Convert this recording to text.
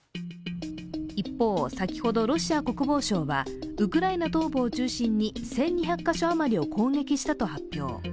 一方、先ほどロシア国防省はウクライナ東部を中心に１２００カ所余りを攻撃したと発表。